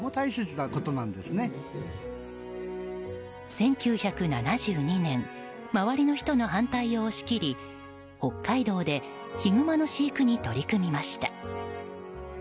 １９７２年周りの人の反対を押し切り北海道でヒグマの飼育に取り組みました。